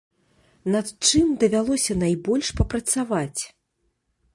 Над чым давялося найбольш папрацаваць?